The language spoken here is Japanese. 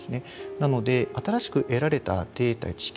なので新しく得られたデータや知見